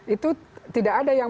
itu tidak ada yang